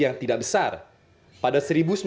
yang tidak besar pada